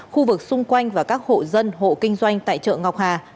khu vực xung quanh và các hộ dân hộ kinh doanh tại chợ ngọc hà